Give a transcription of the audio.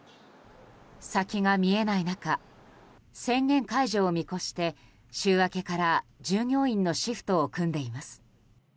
先が見えない中宣言解除を見越して週明けから従業員のシフトを組んでいます。